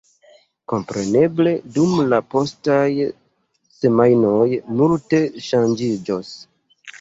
Kompreneble dum la postaj semajnoj multe ŝanĝiĝos.